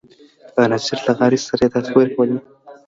له نذیر لغاري سره یې داسې خبرې کولې.